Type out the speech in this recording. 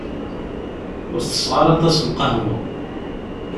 Ur tesseɣ ara aṭas lqahwa.